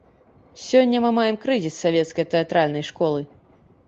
Сёння мы маем крызіс савецкай тэатральнай школы.